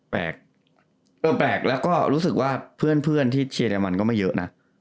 แปลกเออแปลกแล้วก็รู้สึกว่าเพื่อนที่เชียร์เรมันก็ไม่เยอะนะ